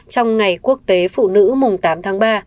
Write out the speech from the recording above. trong ngày quốc tế phụ nữ mùng tám tháng ba